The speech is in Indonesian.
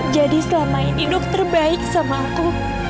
jadi selama ini dokter baik sama aku